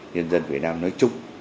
nhân dân việt nam nói chung